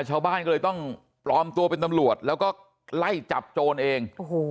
ชาวบ้านก็เลยต้องปลอมตัวเป็นตำรวจแล้วก็ไล่จับโจรเอง